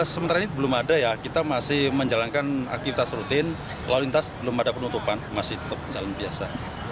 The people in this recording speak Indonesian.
sementara ini belum ada ya kita masih menjalankan aktivitas rutin lalu lintas belum ada penutupan masih tetap jalan biasa